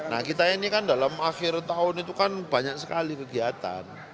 nah kita ini kan dalam akhir tahun itu kan banyak sekali kegiatan